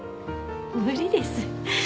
無理です